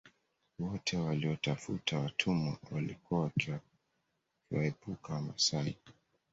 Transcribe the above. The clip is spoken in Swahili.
Wote waliotafuta watumwa walikuwa wakiwaepuka Wamasai